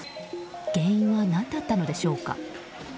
原因は何だったのでしょうか。